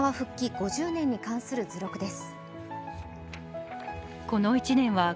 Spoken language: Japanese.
５０年に関する図録です。